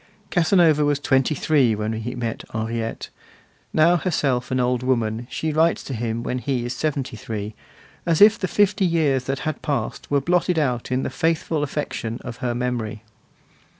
Casanova was twenty three when he met Henriette; now, herself an old woman, she writes to him when he is seventy three, as if the fifty years that had passed were blotted out in the faithful affection of her memory.